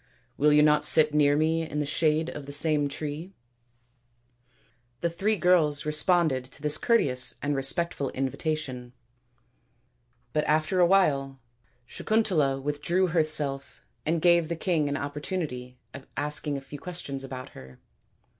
" Will you not sit near me in the shade of the same tree ?" The three girls responded to this courteous and respectful invitation, but after a while Sakuntala with 228 THE INDIAN STORY BOOK drew herself and gave the king an opportunity of asking a few questions about her.